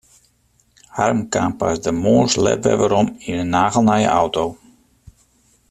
Harm kaam pas de moarns let wer werom yn in nagelnije auto.